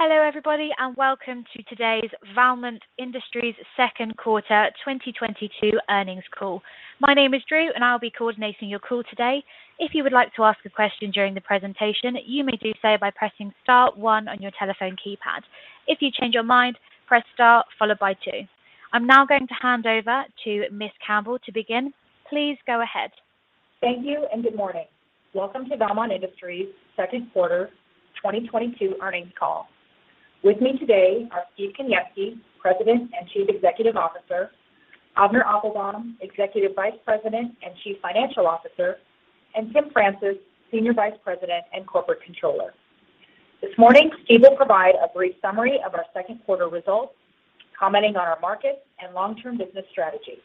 Hello, everybody, and welcome to today's Valmont Industries second quarter 2022 earnings call. My name is Drew, and I'll be coordinating your call today. If you would like to ask a question during the presentation, you may do so by pressing star one on your telephone keypad. If you change your mind, press star followed by two. I'm now going to hand over to Ms. Campbell to begin. Please go ahead. Thank you, and good morning. Welcome to Valmont Industries second quarter 2022 earnings call. With me today are Steve Kaniewski, President and Chief Executive Officer, Avner Applbaum, Executive Vice President and Chief Financial Officer, and Tim Francis, Senior Vice President and Corporate Controller. This morning, Steve will provide a brief summary of our second quarter results, commenting on our markets and long-term business strategies.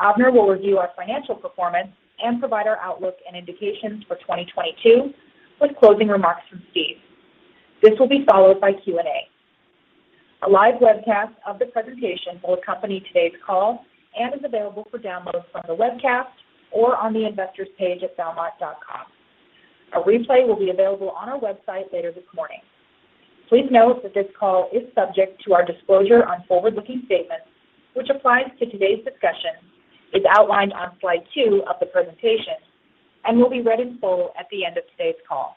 Avner will review our financial performance and provide our outlook and indications for 2022, with closing remarks from Steve. This will be followed by Q&A. A live webcast of the presentation will accompany today's call and is available for download from the webcast or on the investors page at valmont.com. A replay will be available on our website later this morning. Please note that this call is subject to our disclosure on forward-looking statements, which applies to today's discussion, is outlined on slide two of the presentation, and will be read in full at the end of today's call.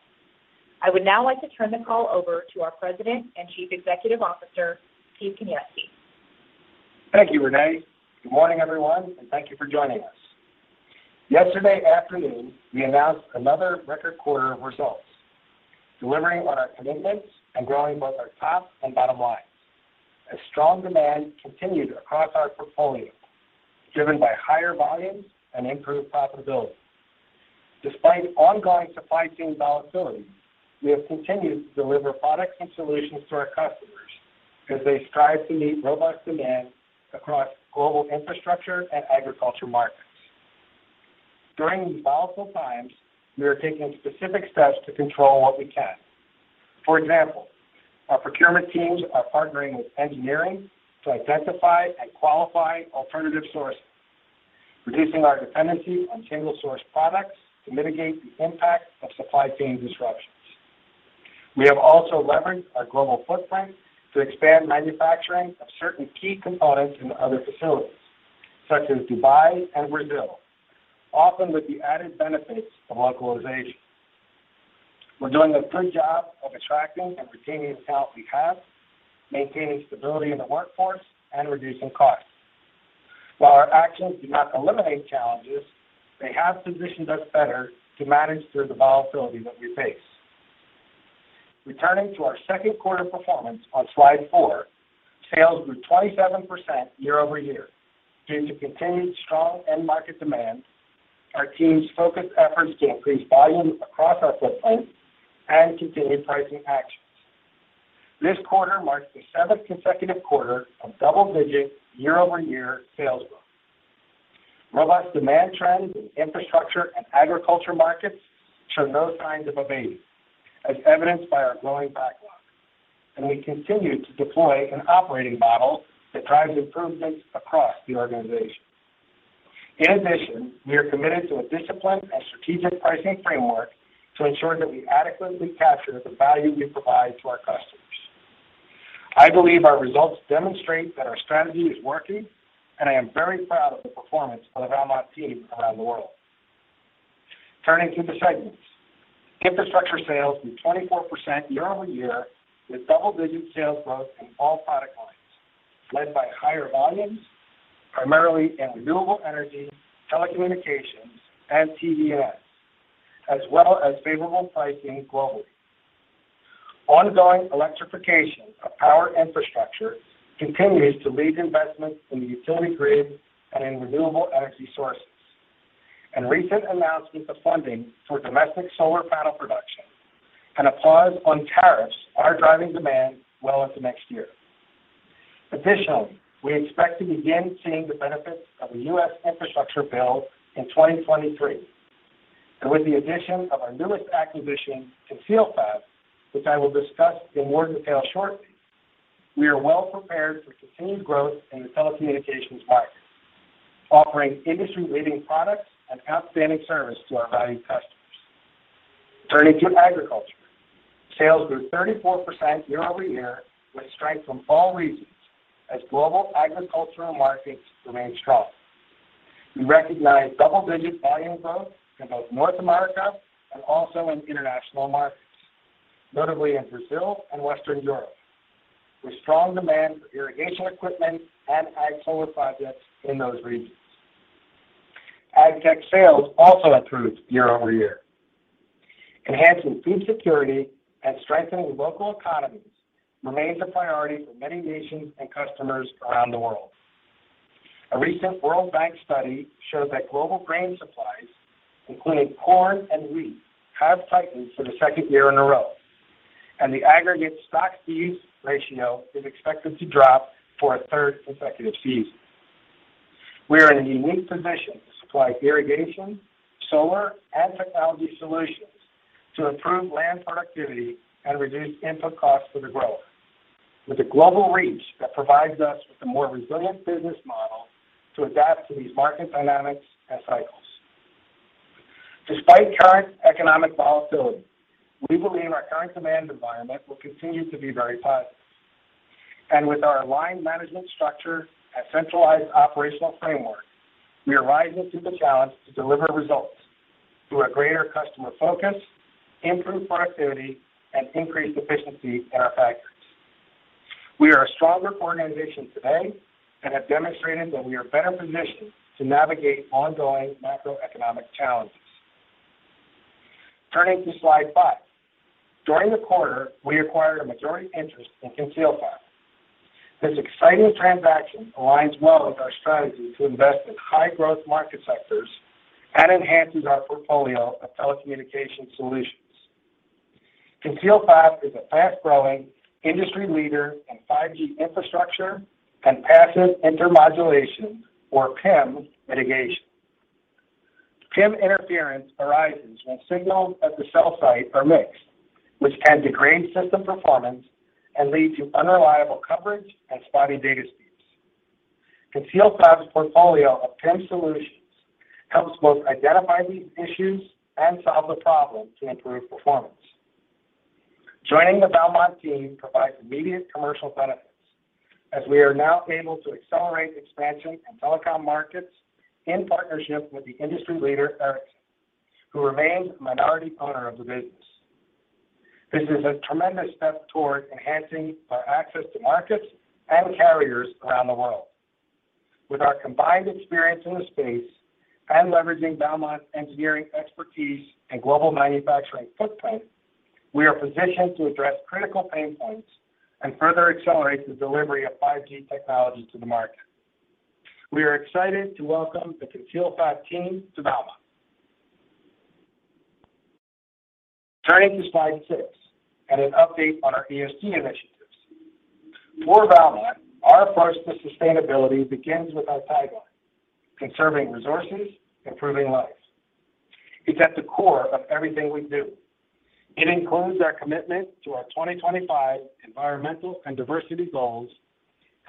I would now like to turn the call over to our President and Chief Executive Officer, Steve Kaniewski. Thank you, Renee. Good morning, everyone, and thank you for joining us. Yesterday afternoon, we announced another record quarter of results, delivering on our commitments and growing both our top and bottom lines. A strong demand continued across our portfolio, driven by higher volumes and improved profitability. Despite ongoing supply chain volatility, we have continued to deliver products and solutions to our customers as they strive to meet robust demand across global infrastructure and agriculture markets. During these volatile times, we are taking specific steps to control what we can. For example, our procurement teams are partnering with engineering to identify and qualify alternative sources, reducing our dependency on single-source products to mitigate the impact of supply chain disruptions. We have also leveraged our global footprint to expand manufacturing of certain key components in other facilities, such as Dubai and Brazil, often with the added benefits of localization. We're doing a good job of attracting and retaining the talent we have, maintaining stability in the workforce and reducing costs. While our actions do not eliminate challenges, they have positioned us better to manage through the volatility that we face. Returning to our second quarter performance on slide four, sales grew 27% year-over-year. Due to continued strong end market demand, our team's focused efforts to increase volume across our footprint and continued pricing actions. This quarter marks the seventh consecutive quarter of double-digit year-over-year sales growth. Robust demand trends in infrastructure and agriculture markets show no signs of abating, as evidenced by our growing backlog, and we continue to deploy an operating model that drives improvements across the organization. In addition, we are committed to a disciplined and strategic pricing framework to ensure that we adequately capture the value we provide to our customers. I believe our results demonstrate that our strategy is working, and I am very proud of the performance of the Valmont team around the world. Turning to the segments. Infrastructure sales grew 24% year-over-year, with double-digit sales growth in all product lines, led by higher volumes, primarily in renewable energy, telecommunications, and T&D, as well as favorable pricing globally. Ongoing electrification of power infrastructure continues to lead investments in the utility grid and in renewable energy sources. Recent announcements of funding for domestic solar panel production and a pause on tariffs are driving demand well into next year. Additionally, we expect to begin seeing the benefits of the US infrastructure bill in 2023. With the addition of our newest acquisition, ConcealFab, which I will discuss in more detail shortly, we are well prepared for continued growth in the telecommunications market, offering industry-leading products and outstanding service to our valued customers. Turning to agriculture. Sales grew 34% year-over-year with strength from all regions as global agricultural markets remain strong. We recognized double-digit volume growth in both North America and also in international markets, notably in Brazil and Western Europe. With strong demand for irrigation equipment and ag solar projects in those regions. Ag tech sales also improved year-over-year. Enhancing food security and strengthening local economies remains a priority for many nations and customers around the world. A recent World Bank study shows that global grain supplies, including corn and wheat, have tightened for the second year in a row, and the aggregate stock feeds ratio is expected to drop for a third consecutive season. We are in a unique position to supply irrigation, solar, and technology solutions to improve land productivity and reduce input costs for the grower with a global reach that provides us with a more resilient business model to adapt to these market dynamics and cycles. Despite current economic volatility, we believe our current demand environment will continue to be very positive. With our aligned management structure and centralized operational framework, we are rising to the challenge to deliver results through a greater customer focus, improved productivity, and increased efficiency at our factories. We are a stronger organization today and have demonstrated that we are better positioned to navigate ongoing macroeconomic challenges. Turning to slide five. During the quarter, we acquired a majority interest in ConcealFab. This exciting transaction aligns well with our strategy to invest in high growth market sectors and enhances our portfolio of telecommunication solutions. ConcealFab is a fast-growing industry leader in 5G infrastructure and passive intermodulation, or PIM, mitigation. PIM interference arises when signals at the cell site are mixed, which can degrade system performance and lead to unreliable coverage and spotty data speeds. ConcealFab's portfolio of PIM solutions helps both identify these issues and solve the problem to improve performance. Joining the Valmont team provides immediate commercial benefits, as we are now able to accelerate expansion in telecom markets in partnership with the industry leader, Ericsson, who remains a minority owner of the business. This is a tremendous step toward enhancing our access to markets and carriers around the world. With our combined experience in the space and leveraging Valmont's engineering expertise and global manufacturing footprint, we are positioned to address critical pain points and further accelerate the delivery of 5G technology to the market. We are excited to welcome the ConcealFab team to Valmont. Turning to slide six and an update on our ESG initiatives. For Valmont, our approach to sustainability begins with our tagline, "Conserving resources, improving lives." It's at the core of everything we do. It includes our commitment to our 2025 environmental and diversity goals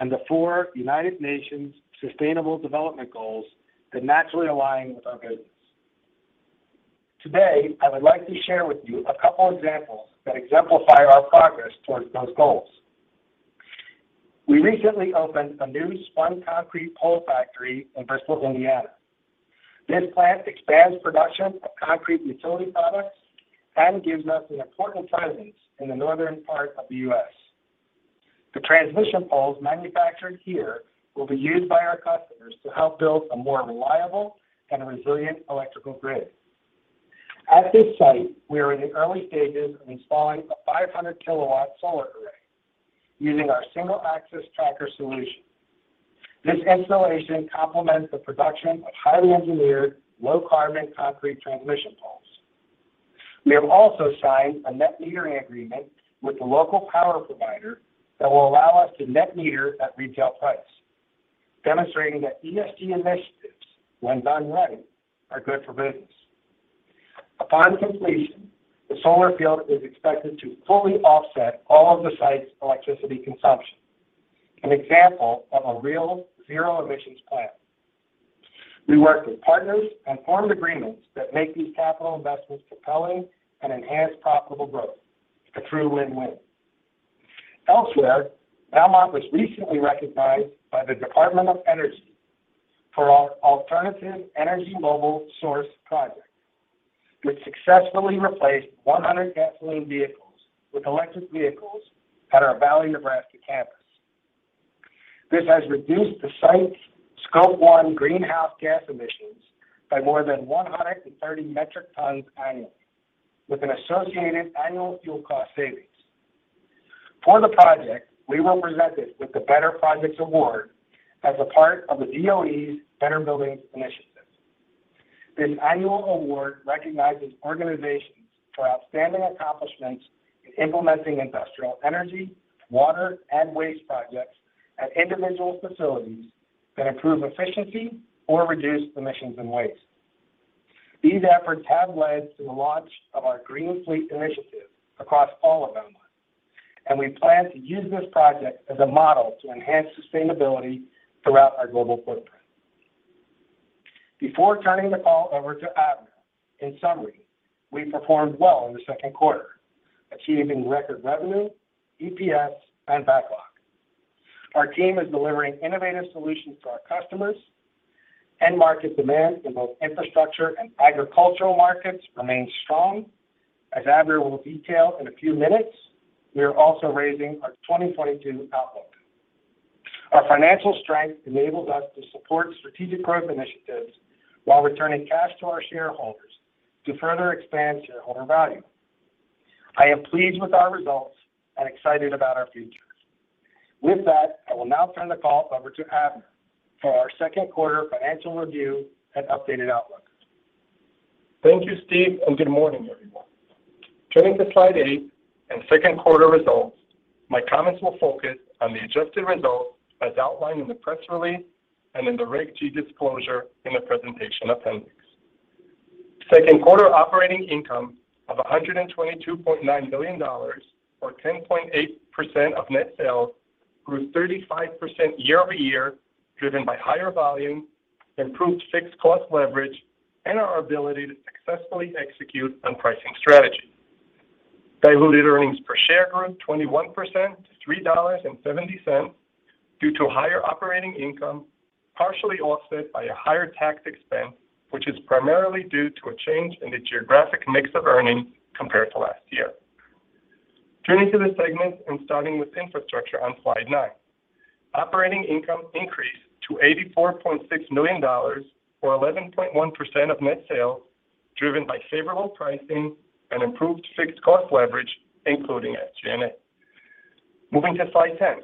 and the four United Nations Sustainable Development Goals that naturally align with our business. Today, I would like to share with you a couple examples that exemplify our progress towards those goals. We recently opened a new spun concrete pole factory in Bristol, Indiana. This plant expands production of concrete utility products and gives us an important presence in the northern part of the U.S. The transmission poles manufactured here will be used by our customers to help build a more reliable and resilient electrical grid. At this site, we are in the early stages of installing a 500 kW solar array using our single axis tracker solution. This installation complements the production of highly engineered, low carbon concrete transmission poles. We have also signed a net metering agreement with the local power provider that will allow us to net meter at retail price, demonstrating that ESG initiatives, when done right, are good for business. Upon completion, the solar field is expected to fully offset all of the site's electricity consumption, an example of a real zero emissions plant. We worked with partners and formed agreements that make these capital investments compelling and enhance profitable growth. A true win-win. Elsewhere, Valmont was recently recognized by the Department of Energy for our Alternative Energy-Mobile Source project, which successfully replaced 100 gasoline vehicles with electric vehicles at our Valley, Nebraska campus. This has reduced the site's scope one greenhouse gas emissions by more than 130 metric tons annually, with an associated annual fuel cost savings. For the project, we were presented with the Better Project Award as a part of the DOE's Better Buildings Initiative. This annual award recognizes organizations for outstanding accomplishments in implementing industrial energy, water, and waste projects at individual facilities that improve efficiency or reduce emissions and waste. These efforts have led to the launch of our Green Fleet initiative across all of Valmont, and we plan to use this project as a model to enhance sustainability throughout our global footprint. Before turning the call over to Avner, in summary, we performed well in the second quarter, achieving record revenue, EPS, and backlog. Our team is delivering innovative solutions to our customers. End market demand in both infrastructure and agricultural markets remains strong. As Avner will detail in a few minutes, we are also raising our 2022 outlook. Our financial strength enables us to support strategic growth initiatives while returning cash to our shareholders to further expand shareholder value. I am pleased with our results and excited about our future. With that, I will now turn the call over to Avner for our second quarter financial review and updated outlook. Thank you, Steve, and good morning, everyone. Turning to slide eight and second quarter results, my comments will focus on the adjusted results as outlined in the press release and in the Regulation G disclosure in the presentation appendix. Second quarter operating income of $122.9 million or 10.8% of net sales. Grew 35% year-over-year, driven by higher volume, improved fixed cost leverage, and our ability to successfully execute on pricing strategy. Diluted earnings per share grew 21% to $3.70 due to higher operating income, partially offset by a higher tax expense, which is primarily due to a change in the geographic mix of earnings compared to last year. Turning to the segments and starting with infrastructure on slide nine. Operating income increased to $84.6 million, or 11.1% of net sales, driven by favorable pricing and improved fixed cost leverage, including SG&A. Moving to slide 10.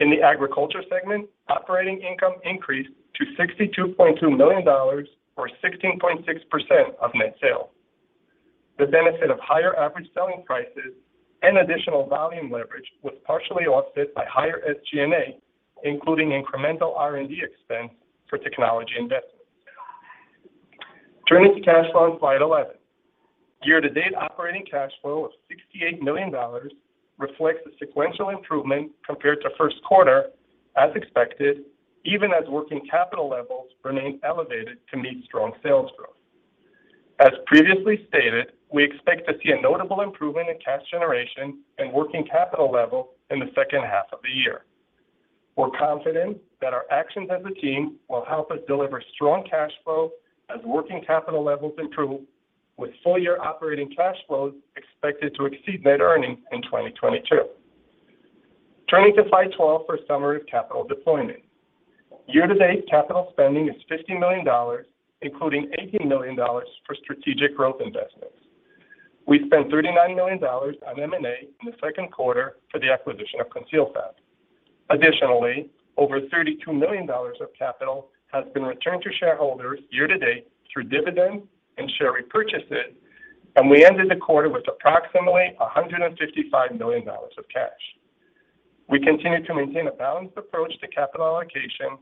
In the agriculture segment, operating income increased to $62.2 million or 16.6% of net sales. The benefit of higher average selling prices and additional volume leverage was partially offset by higher SG&A, including incremental R&D expense for technology investments. Turning to cash flow on slide 11. Year-to-date operating cash flow of $68 million reflects a sequential improvement compared to first quarter as expected, even as working capital levels remain elevated to meet strong sales growth. As previously stated, we expect to see a notable improvement in cash generation and working capital level in the second half of the year. We're confident that our actions as a team will help us deliver strong cash flow as working capital levels improve, with full-year operating cash flows expected to exceed net earnings in 2022. Turning to slide 12 for summary of capital deployment. Year-to-date capital spending is $50 million, including $18 million for strategic growth investments. We spent $39 million on M&A in the second quarter for the acquisition of ConcealFab. Additionally, over $32 million of capital has been returned to shareholders year-to-date through dividends and share repurchases, and we ended the quarter with approximately $155 million of cash. We continue to maintain a balanced approach to capital allocation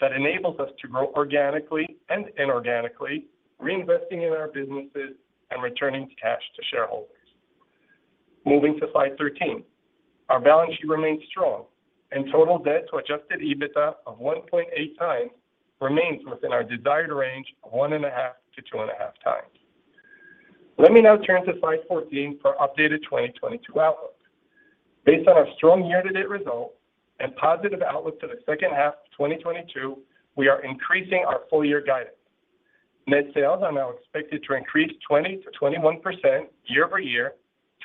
that enables us to grow organically and inorganically, reinvesting in our businesses and returning cash to shareholders. Moving to slide 13. Our balance sheet remains strong and total debt to adjusted EBITDA of 1.8x remains within our desired range of 1.5x-2.5x. Let me now turn to slide 14 for updated 2022 outlook. Based on our strong year-to-date results and positive outlook for the second half of 2022, we are increasing our full year guidance. Net sales are now expected to increase 20%-21% year-over-year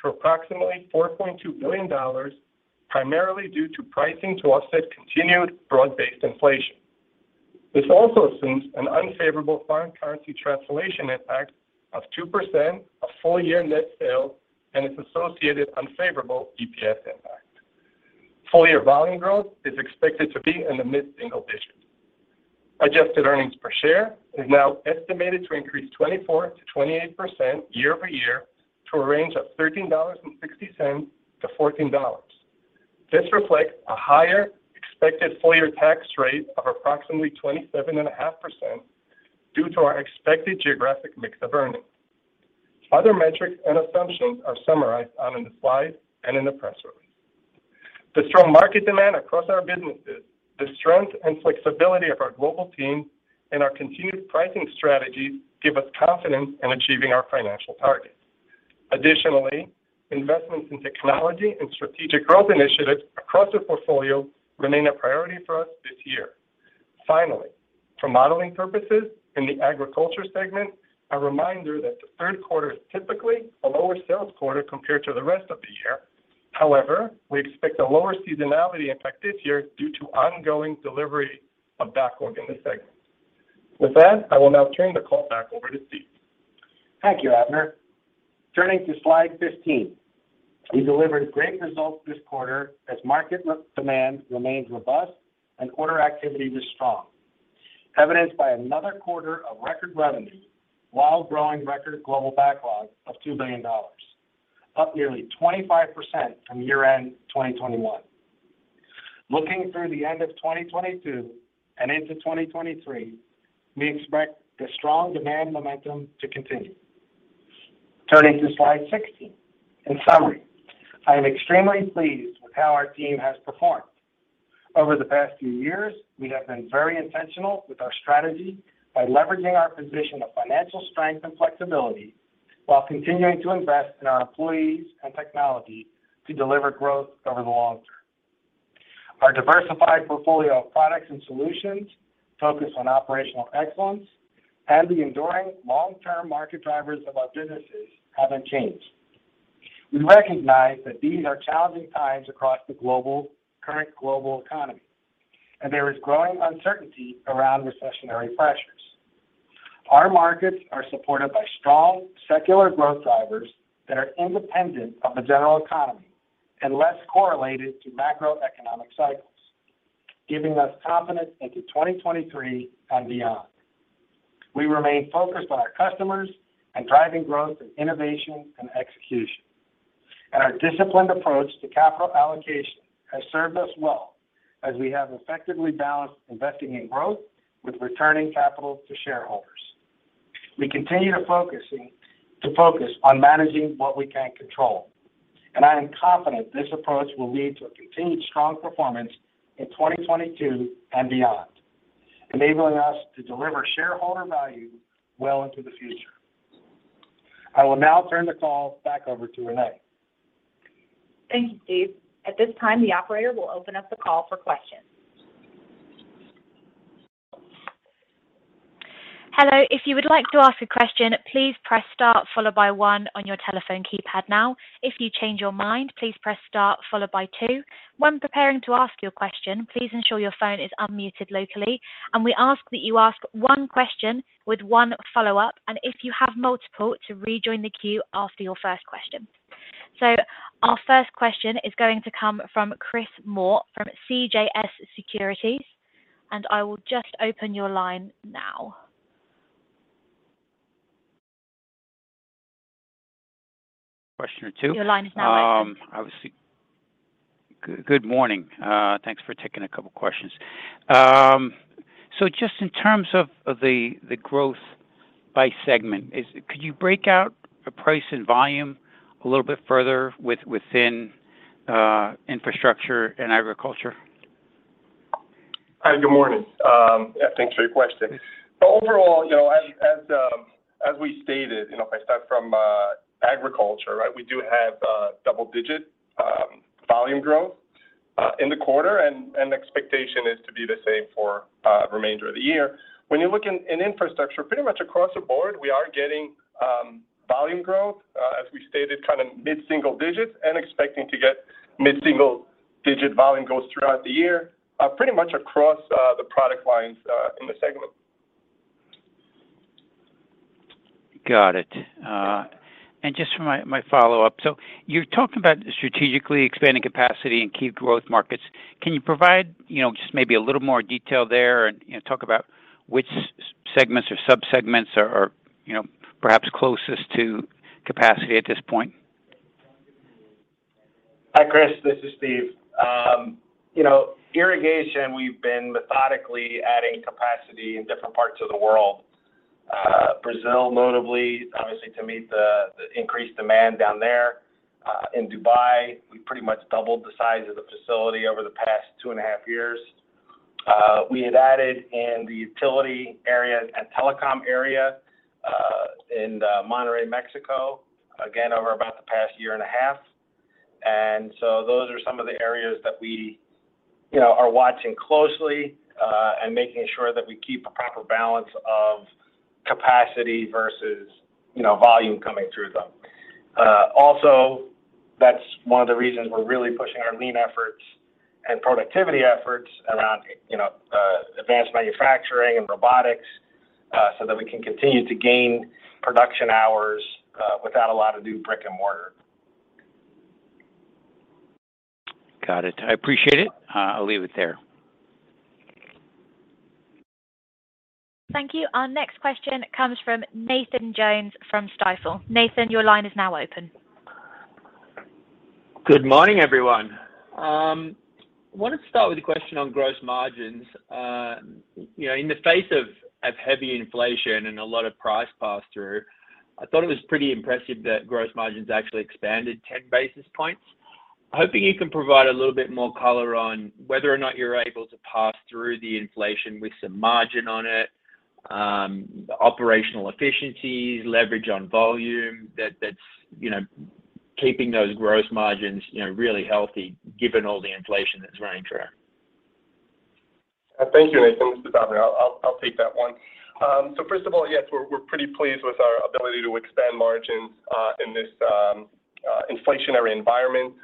to approximately $4.2 billion, primarily due to pricing to offset continued broad-based inflation. This also assumes an unfavorable foreign currency translation impact of 2% of full year net sales and its associated unfavorable EPS impact. Full year volume growth is expected to be in the mid-single digits. Adjusted earnings per share is now estimated to increase 24%-28% year-over-year to a range of $13.60-$14.00. This reflects a higher expected full year tax rate of approximately 27.5% due to our expected geographic mix of earnings. Other metrics and assumptions are summarized on the slide and in the press release. The strong market demand across our businesses, the strength and flexibility of our global team, and our continued pricing strategies give us confidence in achieving our financial targets. Additionally, investments in technology and strategic growth initiatives across the portfolio remain a priority for us this year. Finally, for modeling purposes in the agriculture segment, a reminder that the third quarter is typically a lower sales quarter compared to the rest of the year. However, we expect a lower seasonality effect this year due to ongoing delivery of backlog in the segment. With that, I will now turn the call back over to Steve. Thank you, Avner. Turning to slide 15. We delivered great results this quarter as market demand remains robust and order activity is strong, evidenced by another quarter of record revenue while growing record global backlog of $2 billion, up nearly 25% from year-end 2021. Looking through the end of 2022 and into 2023, we expect the strong demand momentum to continue. Turning to slide 16. In summary, I am extremely pleased with how our team has performed. Over the past few years, we have been very intentional with our strategy by leveraging our position of financial strength and flexibility while continuing to invest in our employees and technology to deliver growth over the long term. Our diversified portfolio of products and solutions focus on operational excellence and the enduring long-term market drivers of our businesses haven't changed. We recognize that these are challenging times across the current global economy, and there is growing uncertainty around recessionary pressures. Our markets are supported by strong secular growth drivers that are independent of the general economy and less correlated to macroeconomic cycles, giving us confidence into 2023 and beyond. We remain focused on our customers and driving growth and innovation and execution. Our disciplined approach to capital allocation has served us well as we have effectively balanced investing in growth with returning capital to shareholders. We continue to focus on managing what we can control. I am confident this approach will lead to a continued strong performance in 2022 and beyond, enabling us to deliver shareholder value well into the future. I will now turn the call back over to Renee. Thank you, Steve. At this time, the operator will open up the call for questions. Hello. If you would like to ask a question, please press star followed by one on your telephone keypad now. If you change your mind, please press star followed by two. When preparing to ask your question, please ensure your phone is unmuted locally, and we ask that you ask one question with one follow-up. If you have multiple, to rejoin the queue after your first question. Our first question is going to come from Chris Moore from CJS Securities. I will just open your line now. Question or two. Your line is now open. Good morning. Thanks for taking a couple of questions. Just in terms of the growth by segment, could you break out the price and volume a little bit further within infrastructure and agriculture? Hi, good morning. Yeah, thanks for your question. Overall, you know, as we stated, you know, if I start from agriculture, right, we do have double digit volume growth in the quarter, and expectation is to be the same for remainder of the year. When you look in infrastructure, pretty much across the board, we are getting volume growth as we stated, kind of mid-single digits and expecting to get mid-single digit volume growth throughout the year, pretty much across the product lines in the segment. Got it. Just for my follow-up. You talked about strategically expanding capacity in key growth markets. Can you provide, you know, just maybe a little more detail there and, you know, talk about which segments or subsegments are, you know, perhaps closest to capacity at this point? Hi, Chris. This is Steve. You know, irrigation, we've been methodically adding capacity in different parts of the world. Brazil, notably, obviously, to meet the increased demand down there. In Dubai, we pretty much doubled the size of the facility over the past two and a half years. We had added in the utility area and telecom area in Monterrey, Mexico, again over about the past year and a half. Those are some of the areas that we, you know, are watching closely and making sure that we keep a proper balance of capacity versus, you know, volume coming through them. Also, that's one of the reasons we're really pushing our lean efforts and productivity efforts around, you know, advanced manufacturing and robotics, so that we can continue to gain production hours, without a lot of new brick and mortar. Got it. I appreciate it. I'll leave it there. Thank you. Our next question comes from Nathan Jones from Stifel. Nathan, your line is now open. Good morning, everyone. Wanted to start with a question on gross margins. You know, in the face of heavy inflation and a lot of price pass-through, I thought it was pretty impressive that gross margins actually expanded 10 basis points. Hoping you can provide a little bit more color on whether or not you're able to pass through the inflation with some margin on it, operational efficiencies, leverage on volume that's you know keeping those gross margins you know really healthy given all the inflation that's running through. Thank you, Nathan. This is Avner. I'll take that one. So first of all, yes, we're pretty pleased with our ability to expand margins in this inflationary environment.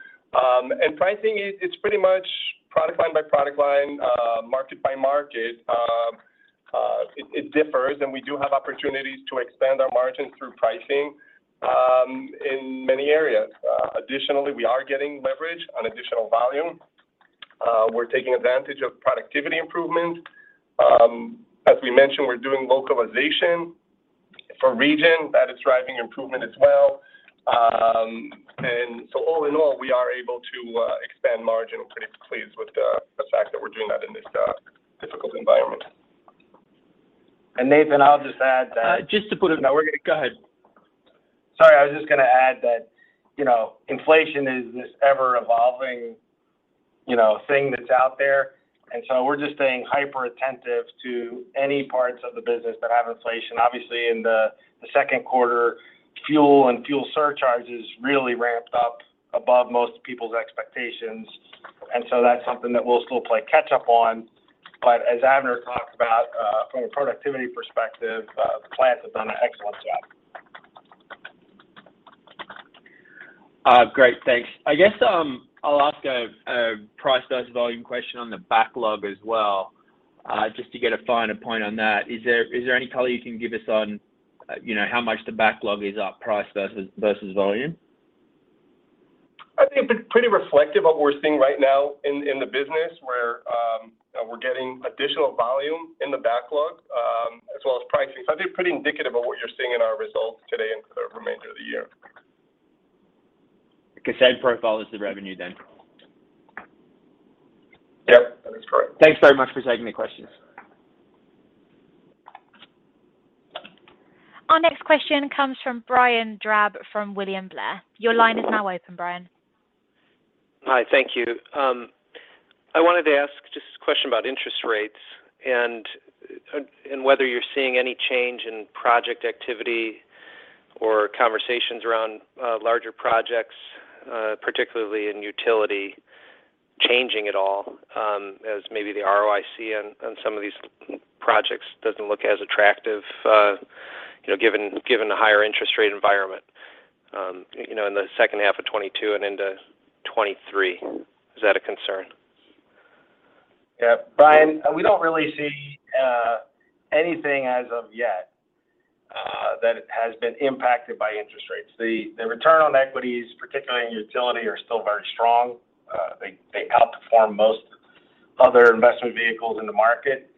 Pricing is. It's pretty much product line by product line, market by market. It differs, and we do have opportunities to expand our margins through pricing in many areas. Additionally, we are getting leverage on additional volume. We're taking advantage of productivity improvement. As we mentioned, we're doing localization for region. That is driving improvement as well. All in all, we are able to expand margin. Pretty pleased with the fact that we're doing that in this difficult environment. Nathan, I'll just add that. No, go ahead. Sorry. I was just gonna add that, you know, inflation is this ever-evolving, you know, thing that's out there. We're just staying hyper-attentive to any parts of the business that have inflation. Obviously, in the second quarter, fuel and fuel surcharges really ramped up above most people's expectations. That's something that we'll still play catch up on. As Avner talked about, from a productivity perspective, the plant has done an excellent job. Great. Thanks. I guess, I'll ask a price versus volume question on the backlog as well, just to get a finer point on that. Is there any color you can give us on, you know, how much the backlog is up price versus volume? I think it's pretty reflective of what we're seeing right now in the business where we're getting additional volume in the backlog, as well as pricing. I think pretty indicative of what you're seeing in our results today and for the remainder of the year. The same profile as the revenue then? Thanks very much for taking the questions. Our next question comes from Brian Drab from William Blair. Your line is now open, Brian. Hi, thank you. I wanted to ask just a question about interest rates and whether you're seeing any change in project activity or conversations around larger projects, particularly in utility changing at all, as maybe the ROIC on some of these projects doesn't look as attractive, you know, given the higher interest rate environment, you know, in the second half of 2022 and into 2023. Is that a concern? Yeah. Brian, we don't really see anything as of yet that has been impacted by interest rates. The return on equities, particularly in utility, are still very strong. They outperform most other investment vehicles in the market.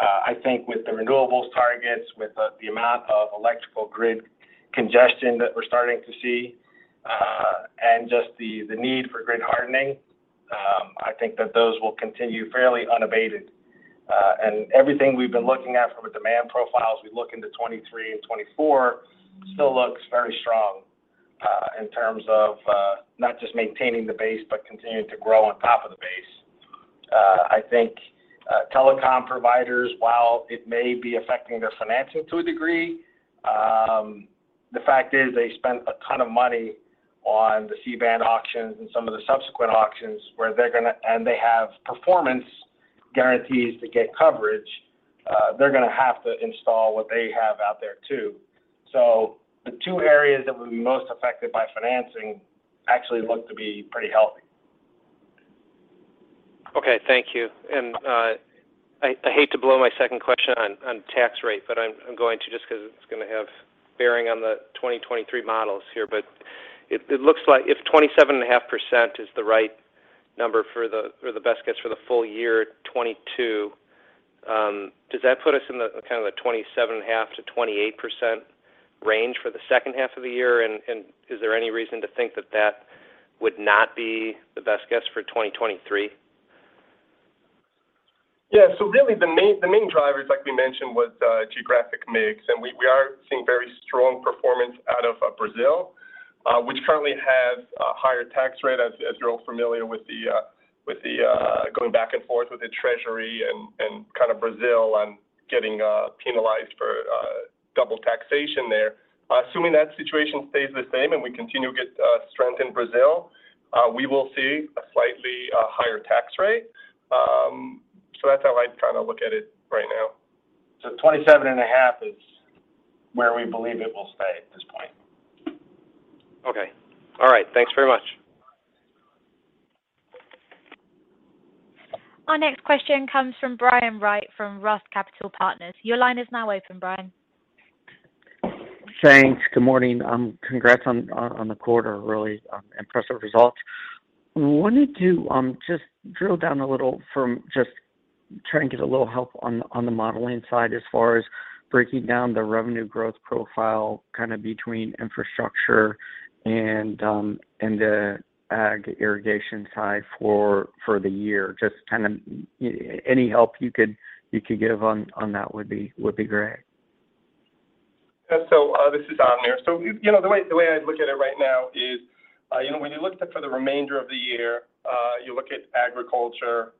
I think with the renewables targets, with the amount of electrical grid congestion that we're starting to see, and just the need for grid hardening, I think that those will continue fairly unabated. Everything we've been looking at from a demand profile as we look into 2023 and 2024 still looks very strong in terms of not just maintaining the base, but continuing to grow on top of the base. I think, telecom providers, while it may be affecting their financing to a degree, the fact is they spent a ton of money on the C-band auctions and some of the subsequent auctions, and they have performance guarantees to get coverage, they're gonna have to install what they have out there too. The two areas that would be most affected by financing actually look to be pretty healthy. Okay. Thank you. I hate to blow my second question on tax rate, but I'm going to just 'cause it's gonna have bearing on the 2023 models here. It looks like if 27.5% is the right number or the best guess for the full year 2022, does that put us in the kind of the 27.5%-28% range for the second half of the year? Is there any reason to think that would not be the best guess for 2023? Yeah. Really the main drivers, like we mentioned, was geographic mix. We are seeing very strong performance out of Brazil, which currently has a higher tax rate as you're all familiar with the going back and forth with the treasury and kind of Brazil and getting penalized for double taxation there. Assuming that situation stays the same and we continue to get strength in Brazil, we will see a slightly higher tax rate. That's how I try to look at it right now. 27.5 is where we believe it will stay at this point. Okay. All right. Thanks very much. Our next question comes from Brian Wright from ROTH Capital Partners. Your line is now open, Brian. Thanks. Good morning. Congrats on the quarter. Really impressive results. Wanted to just drill down a little. Just trying to get a little help on the modeling side as far as breaking down the revenue growth profile kind of between infrastructure and the ag irrigation side for the year. Just kind of any help you could give on that would be great. This is Avner Applbaum. You know, the way I'd look at it right now is, you know, when you look at for the remainder of the year, you look at agriculture,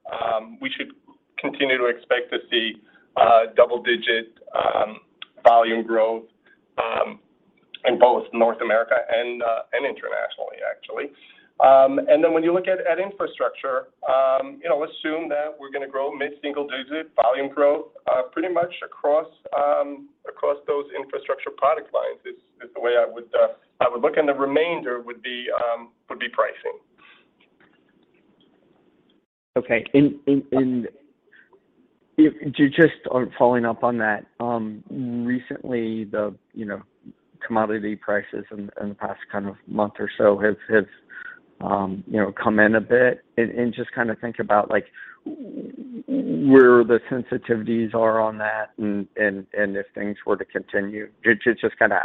we should continue to expect to see double digit volume growth in both North America and internationally actually. And then when you look at infrastructure, you know, assume that we're gonna grow mid-single digit volume growth pretty much across those infrastructure product lines is the way I would look. The remainder would be pricing. Okay. Just on following up on that, recently the, you know, commodity prices in the past kind of month or so has, you know, come in a bit and just kind of think about like where the sensitivities are on that and if things were to continue. Just kind of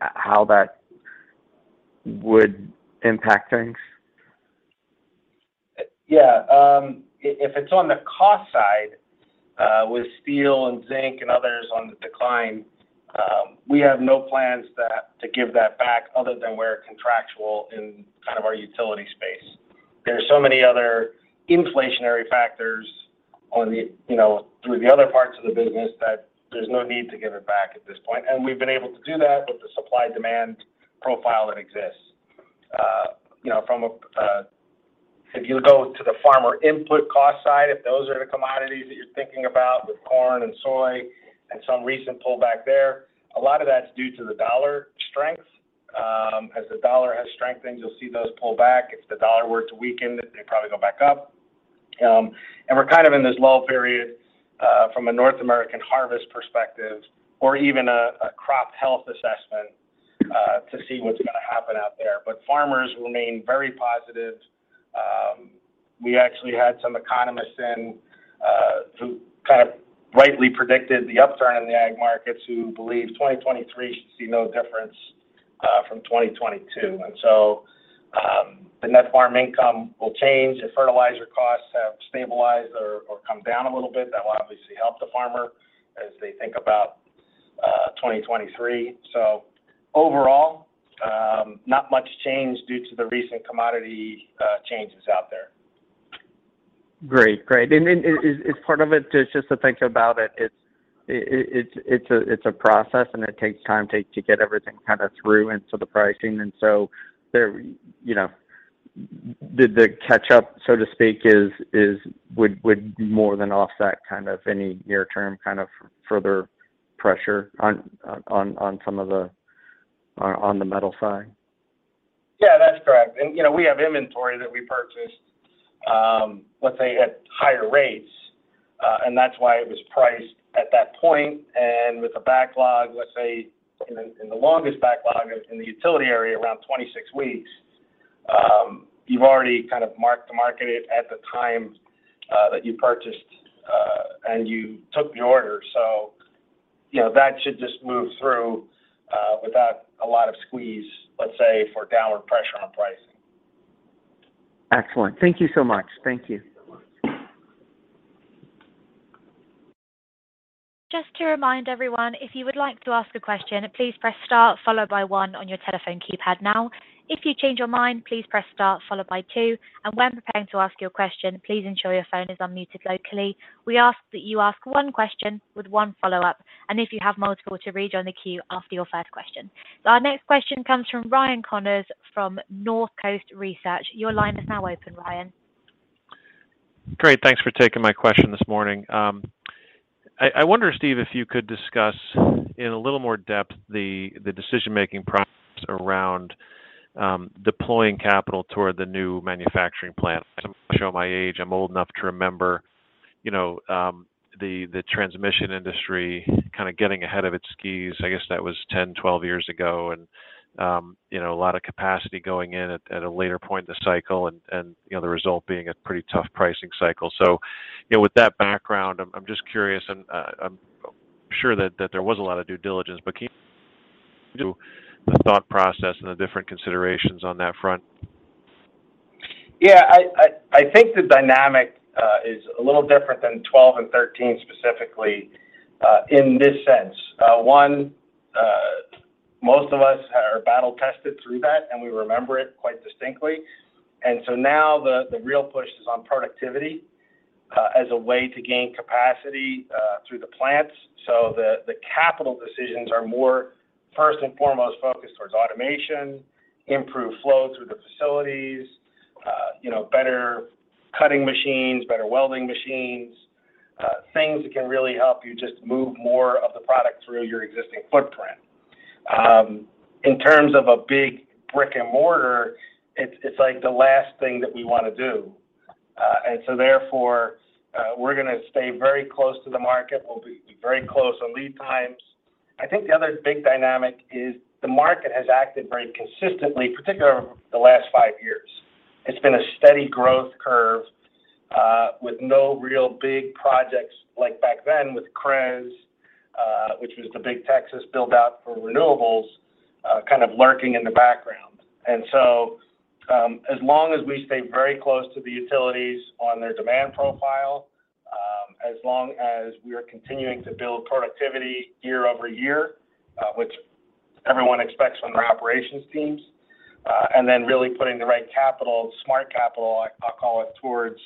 how that would impact things. If it's on the cost side, with steel and zinc and others on the decline, we have no plans to give that back other than where contractual in kind of our utility space. There are so many other inflationary factors on the, you know, through the other parts of the business that there's no need to give it back at this point. We've been able to do that with the supply demand profile that exists. You know, if you go to the farmer input cost side, if those are the commodities that you're thinking about with corn and soy and some recent pullback there, a lot of that's due to the dollar strength. As the dollar has strengthened, you'll see those pull back. If the dollar were to weaken, they'd probably go back up. We're kind of in this lull period from a North American harvest perspective or even a crop health assessment to see what's gonna happen out there. Farmers remain very positive. We actually had some economists in who kind of rightly predicted the upturn in the ag markets who believe 2023 should see no difference from 2022. The net farm income will change if fertilizer costs have stabilized or come down a little bit. That will obviously help the farmer as they think about 2023. Overall, not much change due to the recent commodity changes out there. Great. Is part of it just to think about it? It's a process and it takes time to get everything kind of through into the pricing. You know, the catch up, so to speak, would more than offset kind of any near term kind of further pressure on the metal side? Yeah, that's correct. You know, we have inventory that we purchased, let's say at higher rates. That's why it was priced at that point. With a backlog, let's say in the longest backlog in the utility area around 26 weeks, you've already kind of marked to market at the time that you purchased and you took the order. You know, that should just move through without a lot of squeeze, let's say, for downward pressure on pricing. Excellent. Thank you so much. Thank you. Just to remind everyone, if you would like to ask a question, please press star followed by one on your telephone keypad now. If you change your mind, please press star followed by two. When preparing to ask your question, please ensure your phone is unmuted locally. We ask that you ask one question with one follow-up. If you have multiple, to rejoin the queue after your first question. Our next question comes from Ryan Connors from Northcoast Research. Your line is now open, Ryan. Great. Thanks for taking my question this morning. I wonder, Steve, if you could discuss in a little more depth the decision-making process around deploying capital toward the new manufacturing plant. I show my age. I'm old enough to remember, you know, the transmission industry kind of getting ahead of its skis. I guess that was 10, 12 years ago. You know, a lot of capacity going in at a later point in the cycle and you know, the result being a pretty tough pricing cycle. With that background, I'm just curious and I'm sure that there was a lot of due diligence. But can you The thought process and the different considerations on that front. Yeah. I think the dynamic is a little different than 12 and 13 specifically, in this sense. One, most of us are battle tested through that, and we remember it quite distinctly. Now the real push is on productivity as a way to gain capacity through the plants. The capital decisions are more first and foremost focused towards automation, improved flow through the facilities, you know, better cutting machines, better welding machines, things that can really help you just move more of the product through your existing footprint. In terms of a big brick-and-mortar, it's like the last thing that we want to do. Therefore, we're gonna stay very close to the market. We'll be very close on lead times. I think the other big dynamic is the market has acted very consistently, particularly over the last five years. It's been a steady growth curve, with no real big projects like back then with CREZ, which was the big Texas build-out for renewables, kind of lurking in the background. As long as we stay very close to the utilities on their demand profile, as long as we are continuing to build productivity year-over-year, which everyone expects from their operations teams, and then really putting the right capital, smart capital, I'll call it, towards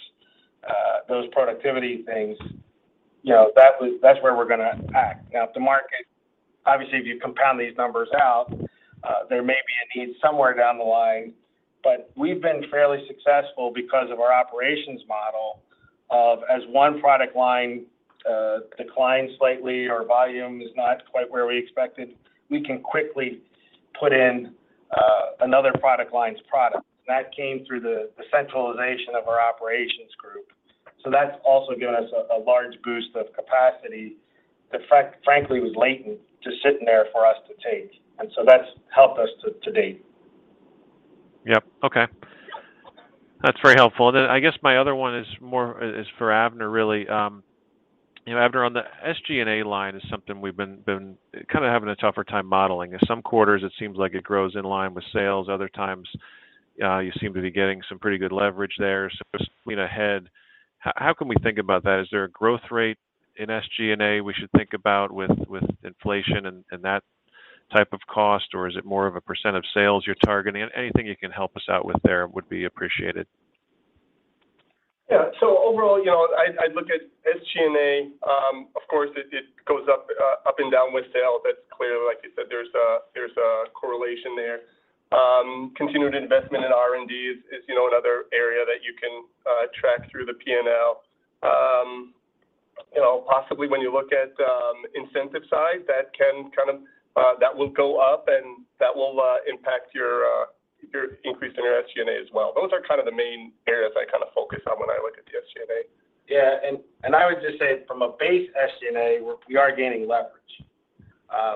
those productivity things, you know, that's where we're gonna act. Now, if the market, obviously, if you compound these numbers out, there may be a need somewhere down the line, but we've been fairly successful because of our operations model, as one product line declines slightly or volume is not quite where we expected, we can quickly put in another product line's product. That came through the centralization of our operations group. That's also given us a large boost of capacity that, frankly, was latent, just sitting there for us to take. That's helped us to date. Yep. Okay. That's very helpful. I guess my other one is more for Avner really. You know, Avner on the SG&A line is something we've been kind of having a tougher time modeling. In some quarters, it seems like it grows in line with sales. Other times, you seem to be getting some pretty good leverage there. Just ahead, how can we think about that? Is there a growth rate in SG&A we should think about with inflation and that type of cost, or is it more of a percent of sales you're targeting? Anything you can help us out with there would be appreciated. Yeah. Overall, you know, I look at SG&A. Of course it goes up and down with sales. That's clear. Like you said, there's a correlation there. Continued investment in R&D is, you know, another area that you can track through the P&L. You know, possibly when you look at incentive size, that will go up, and that will impact your increase in your SG&A as well. Those are kind of the main areas I kind of focus on when I look at the SG&A. Yeah. I would just say from a base SG&A, we are gaining leverage.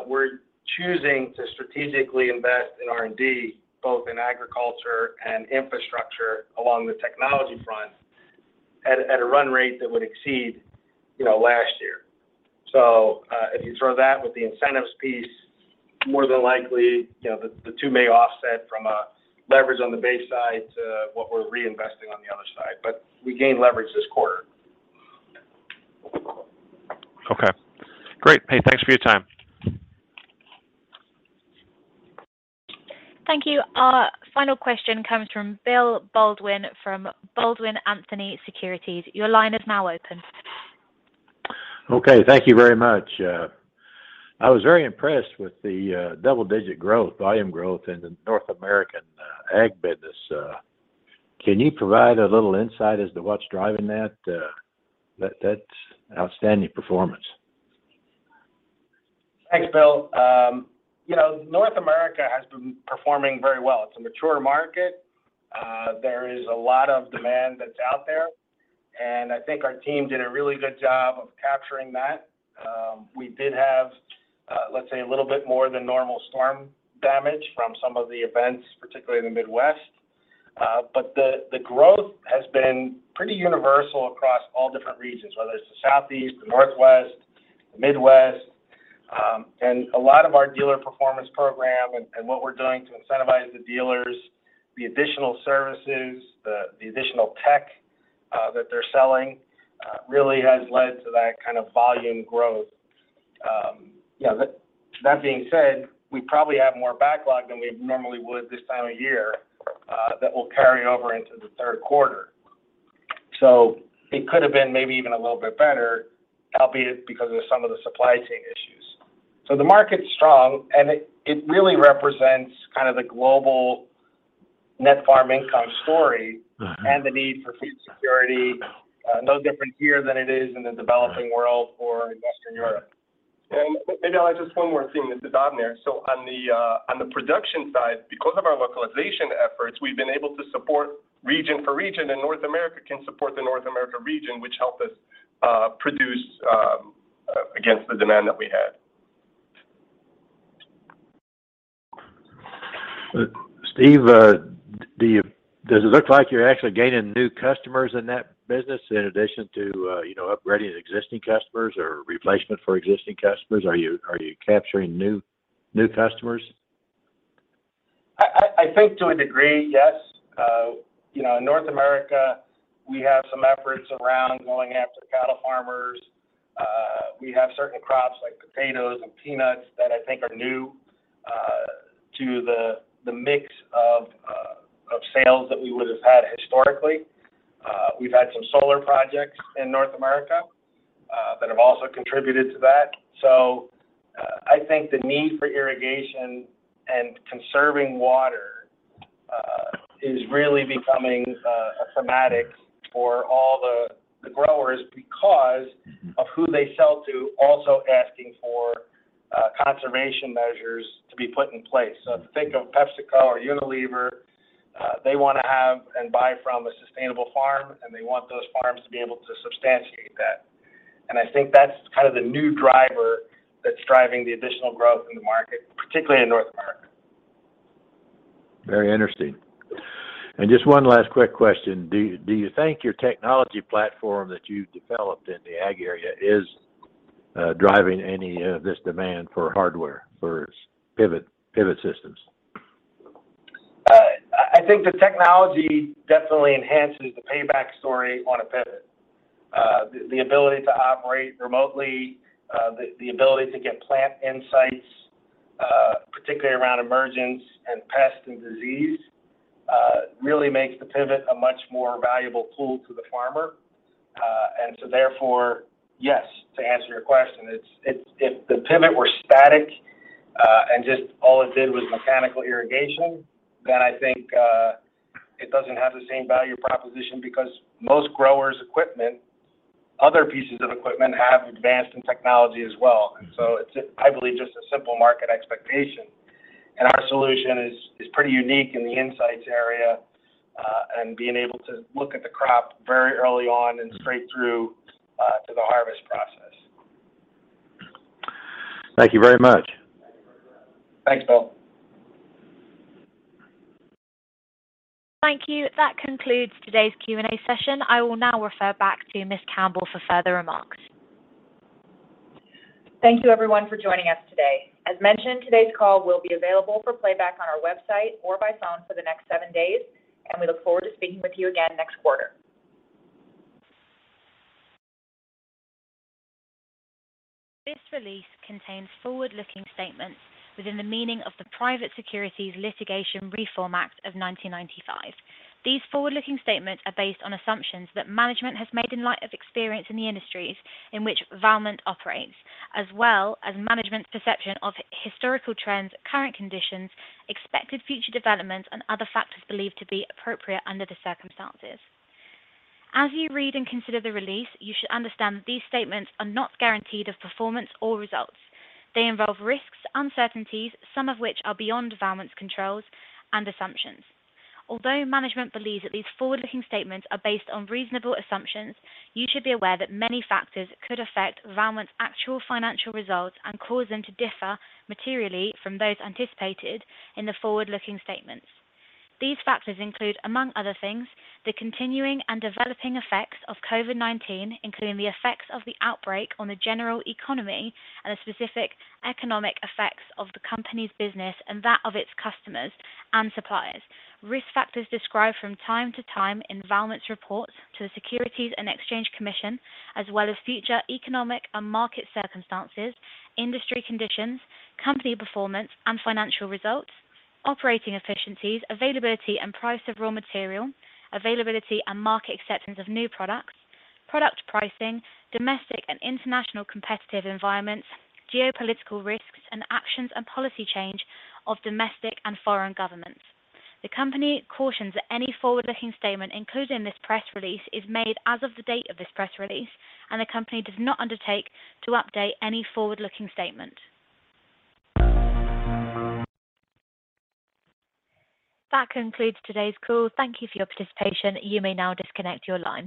We're choosing to strategically invest in R&D, both in agriculture and infrastructure along the technology front. At a run rate that would exceed, you know, last year. If you throw that with the incentives piece, more than likely, you know, the two may offset from a leverage on the base side to what we're reinvesting on the other side. We gained leverage this quarter. Okay. Great. Hey, thanks for your time. Thank you. Our final question comes from Bill Baldwin from Baldwin Anthony Securities. Your line is now open. Okay. Thank you very much. I was very impressed with the double-digit growth, volume growth in the North American ag business. Can you provide a little insight as to what's driving that? That's outstanding performance. Thanks, Bill. You know, North America has been performing very well. It's a mature market. There is a lot of demand that's out there, and I think our team did a really good job of capturing that. We did have, let's say a little bit more than normal storm damage from some of the events, particularly in the Midwest. The growth has been pretty universal across all different regions, whether it's the Southeast, the Northwest, the Midwest. A lot of our dealer performance program and what we're doing to incentivize the dealers, the additional services, the additional tech that they're selling really has led to that kind of volume growth. Yeah, that being said, we probably have more backlog than we normally would this time of year, that will carry over into the third quarter. It could have been maybe even a little bit better, albeit because of some of the supply chain issues. The market's strong, and it really represents kind of the global net farm income story. Mm-hmm The need for food security. No different here than it is in the developing world or in Western Europe. Maybe I'll add just one more thing. This is Avner. On the production side, because of our localization efforts, we've been able to support region for region, and North America can support the North America region, which helped us produce against the demand that we had. Steve, does it look like you're actually gaining new customers in that business in addition to, you know, upgrading existing customers or replacement for existing customers? Are you capturing new customers? I think to a degree, yes. You know, in North America we have some efforts around going after cattle farmers. We have certain crops like potatoes and peanuts that I think are new to the mix of sales that we would've had historically. We've had some solar projects in North America that have also contributed to that. I think the need for irrigation and conserving water is really becoming a thematic for all the growers because of who they sell to also asking for conservation measures to be put in place. If you think of PepsiCo or Unilever, they want to have and buy from a sustainable farm, and they want those farms to be able to substantiate that. I think that's kind of the new driver that's driving the additional growth in the market, particularly in North America. Very interesting. Just one last quick question. Do you think your technology platform that you developed in the ag area is driving any this demand for hardware, for pivot systems? I think the technology definitely enhances the payback story on a pivot. The ability to operate remotely, the ability to get plant insights, particularly around emergence and pest and disease, really makes the pivot a much more valuable tool to the farmer. Therefore, yes, to answer your question. It's. If the pivot were static, and just all it did was mechanical irrigation, then I think it doesn't have the same value proposition because most growers' equipment, other pieces of equipment have advanced in technology as well. It's, I believe, just a simple market expectation. Our solution is pretty unique in the insights area, and being able to look at the crop very early on and straight through to the harvest process. Thank you very much. Thanks, Bill. Thank you. That concludes today's Q&A session. I will now refer back to Ms. Campbell for further remarks. Thank you everyone for joining us today. As mentioned, today's call will be available for playback on our website or by phone for the next seven days, and we look forward to speaking with you again next quarter. This release contains forward-looking statements within the meaning of the Private Securities Litigation Reform Act of 1995. These forward-looking statements are based on assumptions that management has made in light of experience in the industries in which Valmont operates, as well as management's perception of historical trends, current conditions, expected future developments and other factors believed to be appropriate under the circumstances. As you read and consider the release, you should understand these statements are not guarantees of performance or results. They involve risks, uncertainties, some of which are beyond Valmont's controls or assumptions. Although management believes that these forward-looking statements are based on reasonable assumptions, you should be aware that many factors could affect Valmont's actual financial results and cause them to differ materially from those anticipated in the forward-looking statements. These factors include, among other things, the continuing and developing effects of COVID-19, including the effects of the outbreak on the general economy and the specific economic effects of the company's business and that of its customers and suppliers, risk factors described from time to time in Valmont's reports to the Securities and Exchange Commission, as well as future economic and market circumstances, industry conditions, company performance and financial results, operating efficiencies, availability and price of raw material, availability and market acceptance of new products, product pricing, domestic and international competitive environments, geopolitical risks and actions and policy change of domestic and foreign governments. The company cautions that any forward-looking statement included in this press release is made as of the date of this press release, and the company does not undertake to update any forward-looking statement. That concludes today's call. Thank you for your participation. You may now disconnect your line.